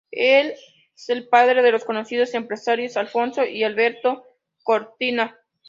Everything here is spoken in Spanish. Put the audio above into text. Es el padre de los conocidos empresarios Alfonso y Alberto Cortina.